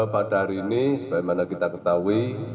pada hari ini sebagaimana kita ketahui